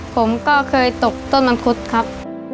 ผมก็เคยตกต้นมังคุดครับ